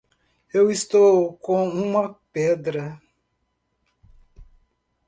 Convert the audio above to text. Eu estou com uma perda